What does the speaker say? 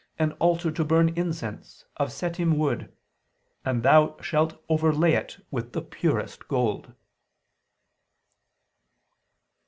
an altar to burn incense, of setim wood ... and thou shalt overlay it with the purest gold."